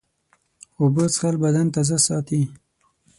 اوبه څښل بدن تازه ساتي.